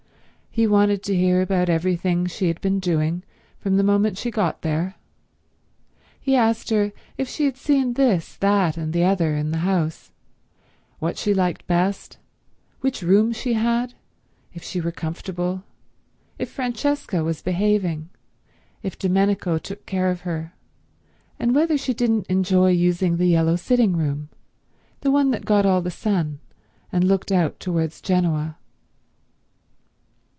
He wanted to hear all about everything she had been doing from the moment she got there. He asked her if she had seen this, that, and the other in the house, what she liked best, which room she had, if she were comfortable, if Francesca was behaving, if Domenico took care of her, and whether she didn't enjoy using the yellow sitting room—the one that got all the sun and looked out towards Genoa.